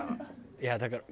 いやだから。